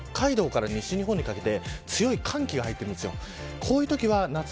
上空に、北海道から西日本にかけて強い寒気が入ってきます。